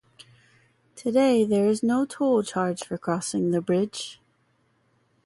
Today there is no toll charged for crossing the bridge.